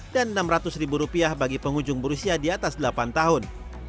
dan rp enam ratus bagi pengunjung berusia di atas delapan tahun